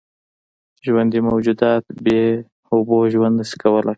ژوندي موجودات بېاوبو ژوند نشي کولی.